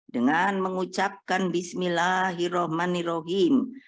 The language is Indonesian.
dengan mengucapkan bismillahirrahmanirrahim